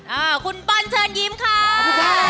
ขอบคุณก่อนยิ้มครับ